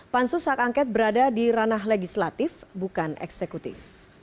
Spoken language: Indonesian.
pansus hak angket berada di ranah legislatif bukan eksekutif